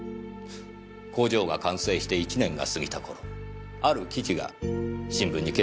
工場が完成して１年が過ぎた頃ある記事が新聞に掲載されましたね。